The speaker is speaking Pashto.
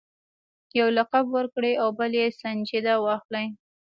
یو لقب ورکړي او بل یې سنجیده واخلي.